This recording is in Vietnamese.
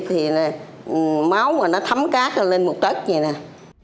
thì máu mà nó thấm cát lên một tất như thế này